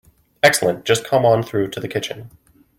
Excellent, just come on through to the kitchen.